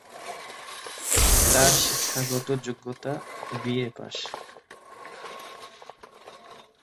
তার শিক্ষাগত যোগ্যতা বিএ পাস।